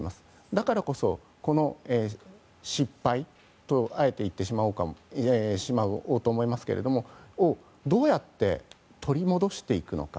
だからこそ、失敗とあえて言ってしまおうと思いますがどうやって取り戻していくのか。